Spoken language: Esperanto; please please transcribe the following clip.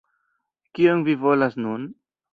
Kion vi volas nun?